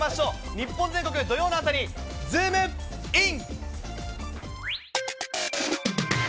日本全国土曜の朝にズームイン！！